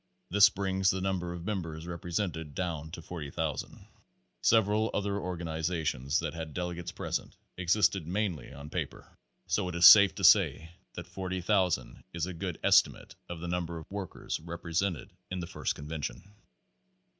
This brings the number of members represented down to 40,000. Several other organizations that had delegates pres ent, existed mainly on paper; so it is safe to say that Page FOVT 40,000 is a good estimate of the number of workers represented in the first convention.